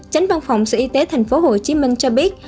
tránh văn phòng sở y tế tp hcm cho biết